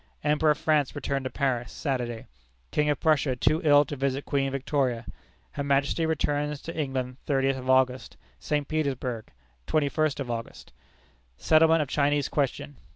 Emperor of France returned to Paris, Saturday. King of Prussia too ill to visit Queen Victoria. Her Majesty returns to England thirtieth of August. St. Petersburg, twenty first of August. Settlement of Chinese question.